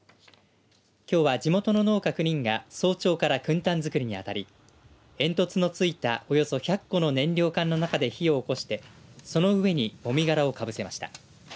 きょうは、地元の農家９人が早朝からくん炭づくりにあたり煙突のついたおよそ１００個の燃料缶の中で火を起こしてその上にもみ殻をかぶせました。